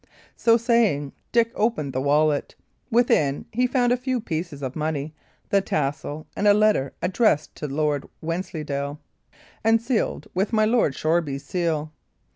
So saying, Dick opened the wallet; within he found a few pieces of money, the tassel, and a letter addressed to Lord Wensleydale, and sealed with my Lord Shoreby's seal.